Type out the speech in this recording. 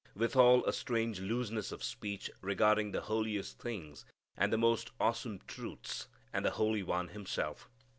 Withal a strange looseness of speech regarding the holiest things, and the most awesome truths, and the Holy One Himself.